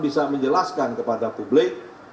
bisa menjelaskan kepada publik